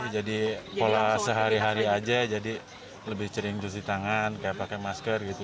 jadi pola sehari hari aja jadi lebih sering cuci tangan kayak pakai masker gitu